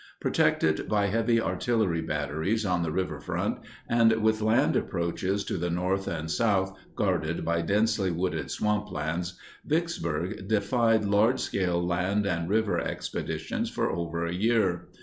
Protected by heavy artillery batteries on the riverfront and with land approaches to the north and south guarded by densely wooded swamplands, Vicksburg defied large scale land and river expeditions for over a year.